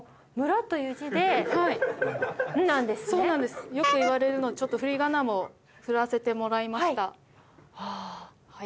そうなんですよく言われるのでちょっと振り仮名もふらせてもらいました。